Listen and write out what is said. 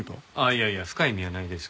いやいや深い意味はないですけど。